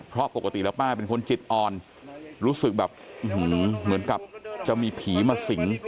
เพราะปกติแล้วป้าเป็นคนจิตอ่อนรู้สึกแบบเหมือนกับจะมีผีมาสิง